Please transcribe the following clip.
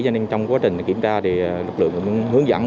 cho nên trong quá trình kiểm tra thì lực lượng cũng hướng dẫn